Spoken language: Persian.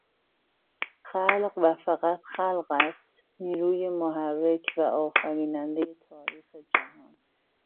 خلق و فقط خلق است نیروی محرک و آفرینندهٔ تاریخ جهان.